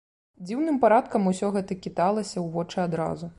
Дзіўным парадкам усё гэта кідалася ў вочы адразу.